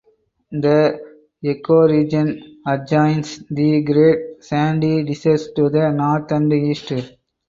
The ecoregion adjoins the Great Sandy Desert to the north and east.